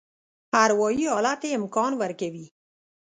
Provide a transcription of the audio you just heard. اروایي حالت یې امکان ورکوي.